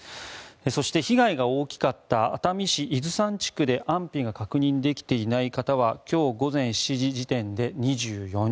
そして、被害が大きかった熱海市伊豆山地区で安否が確認できていない方は今日午前７時時点で２４人。